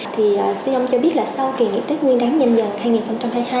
thì thưa ông cho biết là sau kỳ nghỉ tết nguyên đáng nhanh dần hai nghìn hai mươi hai